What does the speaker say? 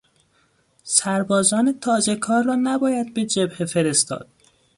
سربازان تازهکار را نباید به جبهه فرستاد.